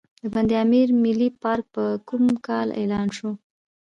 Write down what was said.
د بند امیر ملي پارک په کوم کال اعلان شو؟